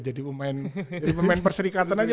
jadi pemain perserikatan aja